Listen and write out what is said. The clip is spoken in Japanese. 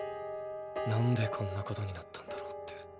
何でこんなことになったんだろうって。